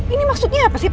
ini maksudnya apa sih